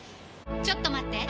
ちょっと待って！